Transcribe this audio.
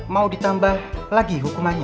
mau ditambah lagi hukumannya